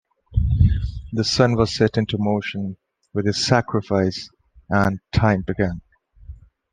The sun was set into motion with his sacrifice and time began.